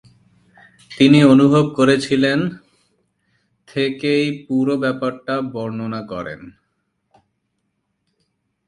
তিনি অনুভব করেছিলেন, থেকেই পুরো ব্যাপারটার বর্ণনা করেন।